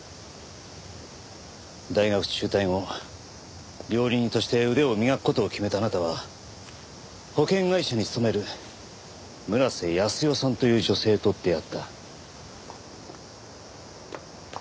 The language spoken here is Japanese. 大学中退後料理人として腕を磨く事を決めたあなたは保険会社に勤める村瀬泰代さんという女性と出会った。